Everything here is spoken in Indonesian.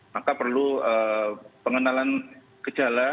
maka perlu pengenalan gejala